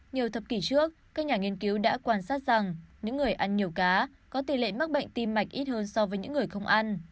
nhiều thập kỷ trước các nhà nghiên cứu đã quan sát rằng những người ăn nhiều cá có tỷ lệ mắc bệnh tim mạch ít hơn so với những người không ăn